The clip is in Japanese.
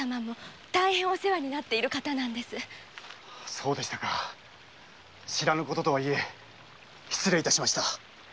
そうでしたか知らぬ事とは言え失礼致しました。